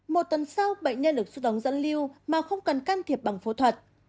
một tuần sau bệnh nhân được xuất ống dẫn lưu mà không cần can thiệp bằng phẫu thuật